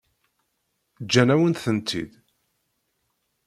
Ǧǧan-awen-tent-id?